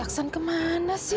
si aksan kemana sih